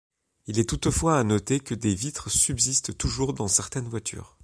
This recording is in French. Il est toutefois à noter que des vitres subsistent toujours dans certaines voitures.